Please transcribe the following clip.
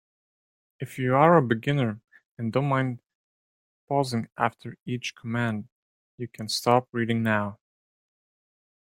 If you are a beginner and don't mind pausing after each command, you can stop reading now.